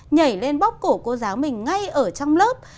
nhảy lên bóc cổ cô giáo mình ngay ở trong lớp